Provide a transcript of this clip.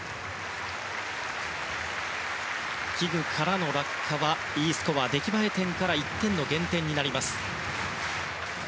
器具からの落下はＥスコア、出来栄え点から１点の減点になります。